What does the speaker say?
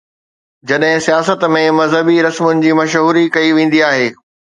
جڏهن سياست ۾ مذهبي رسمن جي مشهوري ڪئي ويندي آهي.